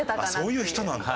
そういう人なんだ。